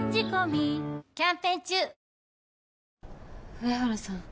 上原さん